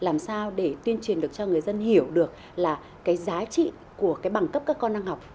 làm sao để tuyên truyền được cho người dân hiểu được là cái giá trị của cái bằng cấp các con đang học